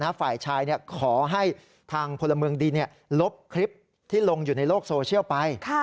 ฝ่ายชายขอให้ทางพลเมืองดีลบคลิปที่ลงอยู่ในโลกโซเชียลไป